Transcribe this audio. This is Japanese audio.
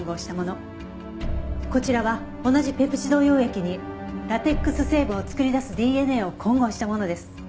こちらは同じペプチド溶液にラテックス成分を作り出すＤＮＡを混合したものです。